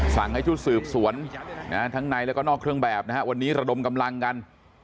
สั่งให้ชุดสืบสวนทั้งในแล้วก็นอกเครื่องแบบนะฮะวันนี้ระดมกำลังกัน